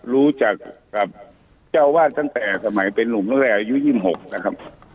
รู้จักกับเจ้าวาดตั้งแต่สมัยเป็นหลวงเลยอายุ๒๖นะครับ